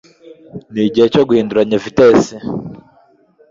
nk igihe cyo guhinduranya vitesi